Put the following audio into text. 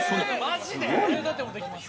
「マジで？」